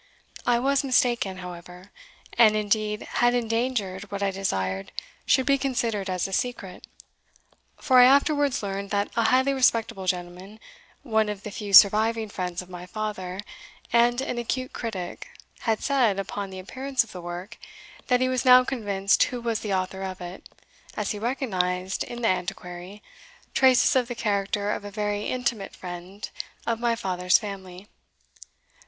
I was mistaken, however, and indeed had endangered what I desired should be considered as a secret; for I afterwards learned that a highly respectable gentleman, one of the few surviving friends of my father, and an acute critic, had said, upon the appearance of the work, that he was now convinced who was the author of it, as he recognised, in the Antiquary, traces of the character of a very intimate friend* of my father's family."